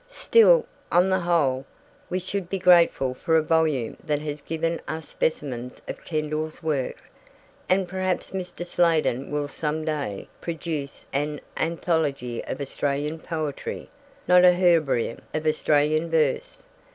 Still, on the whole, we should be grateful for a volume that has given us specimens of Kendall's work, and perhaps Mr. Sladen will some day produce an anthology of Australian poetry, not a herbarium of Australian verse.